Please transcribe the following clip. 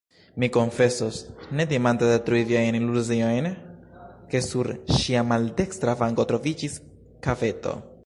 Mi konfesos, ne timante detrui viajn iluziojn, ke sur ŝia maldekstra vango troviĝis kaveto.